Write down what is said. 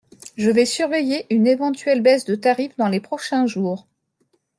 Je vais surveiller une éventuelle baisse de tarif dans les prochains jours.